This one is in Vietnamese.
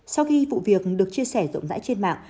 sau khi vụ việc được chia sẻ rộng rãi trên mạng